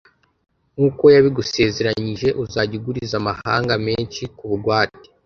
nk’uko yabigusezeranyije, uzajya uguriza amahanga menshi ku bugwate,